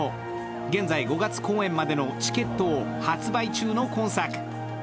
現在５月公演までのチケットを発売中の今作。